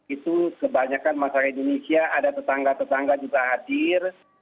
itu kebanyakan masyarakat indonesia ada tetangga tetangga juga hadir